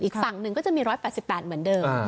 อีกฝั่งหนึ่งก็จะมี๑๘๘เหมือนเดิม